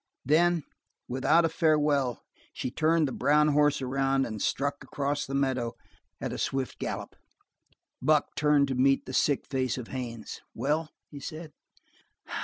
Then, without a farewell, she turned the brown horse around and struck across the meadow at a swift gallop. Buck turned to meet the sick face of Haines. "Well?" he said.